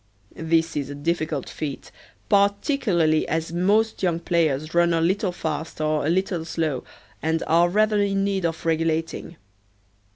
This is a difficult feat, particularly as most young players run a little fast or a little slow and are rather in need of regulating.